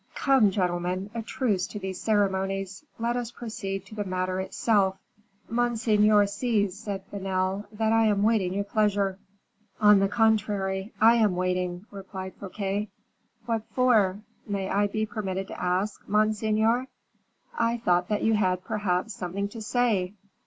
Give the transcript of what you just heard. "Come, gentlemen, a truce to these ceremonies; let us proceed to the matter itself." "Monseigneur sees," said Vanel, "that I am waiting your pleasure." "On the contrary, I am waiting," replied Fouquet. "What for, may I be permitted to ask, monseigneur?" "I thought that you had perhaps something to say."